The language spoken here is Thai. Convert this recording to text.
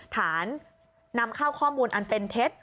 นำเข้าข้อมูลอันเป็นเท็จ